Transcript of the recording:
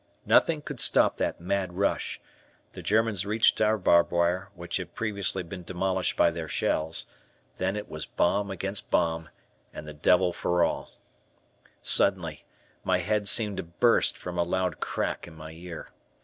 Nothing could stop that mad rush. The Germans reached our barbed wire, which had previously been demolished by their shells, then it was bomb against bomb, and the devil for all. {Illustration: A Gas Helmet.} Suddenly, my head seemed to burst from a loud "crack" in my ear.